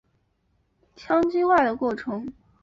羟基化的过程。